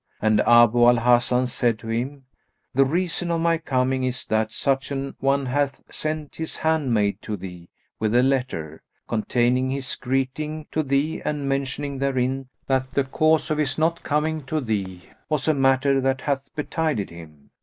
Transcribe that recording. And Abu al Hasan said to him, "The reason of my coming is that such an one hath sent his handmaid to thee with a letter, containing his greeting to thee and mentioning therein that the cause of his not coming to thee was a matter that hath betided him.